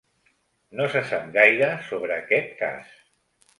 No se sap gaire sobre aquest cas.